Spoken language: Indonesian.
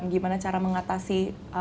gimana cara mengatasi